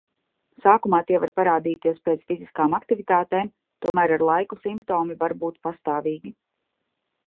Sākumā tie var parādīties pēc fiziskām aktivitātēm, tomēr ar laiku simptomi var būt pastāvīgi.